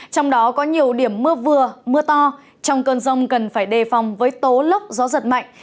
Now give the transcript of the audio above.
trong đó có nhiều điểm mưa vừa mưa to trong cơn rông cần phải đề phòng với tố lốc gió giật mạnh